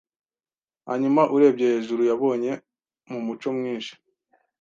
Hanyuma urebye hejuru yabonye mu mucyo mwinshi